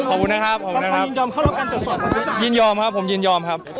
ขอบคุณนะครับขอบคุณนะครับยินยอมครับผมยินยอมครับ